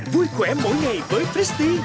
vui khỏe mỗi ngày với fristy